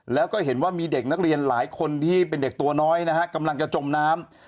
แล้วก็เห็นว่ามีเด็กนักเรียนหลายคนที่เป็นเด็กตัวน้อยนะฮะกำลังจะจมน้ำ